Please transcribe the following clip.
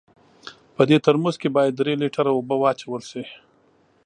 په دې ترموز کې باید درې لیټره اوبه واچول سي.